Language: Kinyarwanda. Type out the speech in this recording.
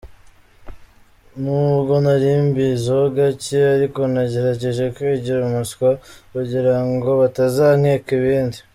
N’ubwo nari mbizi ho gake ariko nagerageje kwigira umuswa, kugirango batazankeka ibindi.